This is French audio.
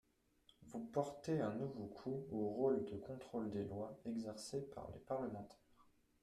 Vous portez un nouveau coup au rôle de contrôle des lois exercé par les parlementaires.